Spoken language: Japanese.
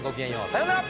さようなら！